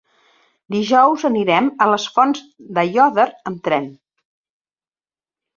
Dijous anirem a les Fonts d'Aiòder amb tren.